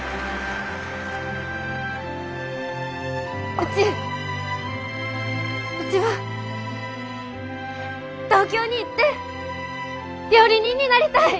うちうちは東京に行って料理人になりたい。